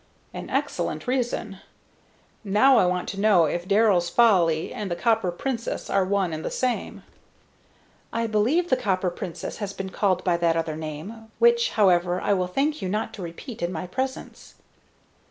"An excellent reason. Now I want to know if 'Darrell's Folly' and the Copper Princess are one and the same mine?" "I believe the Copper Princess has been called by that other name, which, however, I will thank you not to repeat in my presence."